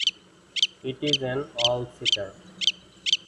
It is an all-seater.